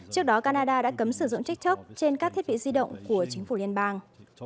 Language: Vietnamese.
trước đó canada đã cấm sử dụng tiktok trên các thiết bị di động của chính phủ liên bang